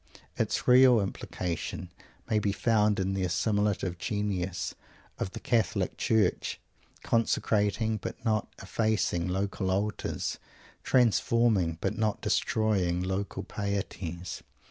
Its real implication may be found in the assimilative genius of the Catholic Church, consecrating but not effacing local altars; transforming, but not destroying, local pieties.